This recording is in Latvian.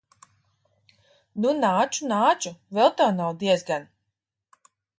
Nu, nāču, nāču. Vēl tev nav diezgan.